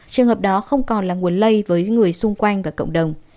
trường hợp đó không còn là nguồn lây với người xung quanh và cộng đồng